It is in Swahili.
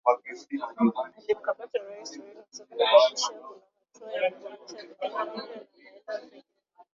Akimtaka Rais Yoweri Museveni kuhakikisha kuna hatua za kukomesha vitendo hivyo na sio maneno pekee